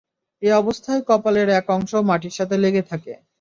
এ অবস্থায় কপালের এক অংশ মাটির সাথে লেগে থাকে।